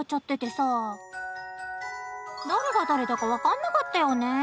誰が誰だか分かんなかったよね。